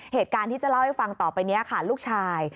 เหตุการณ์ที่จะเล่าให้ฟังต่อไปนี้ค่ะลูกชาย